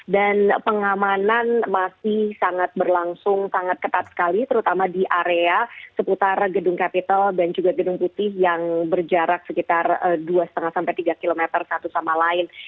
dan pengamanan masih sangat berlangsung sangat ketat sekali terutama di area seputar gedung kapital dan juga gedung putih yang berjarak sekitar dua lima sampai tiga km satu sama lain